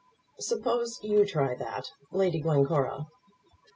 "Suppose you try that, Lady Glencora!"